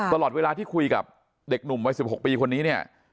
ตลอดเวลาที่คุยกับเด็กหนุ่มวัย๑๖ปีคนนี้เนี่ย